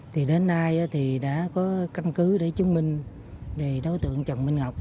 thì đến nay thì đã có căn cứ để chứng minh về đối tượng trần minh ngọc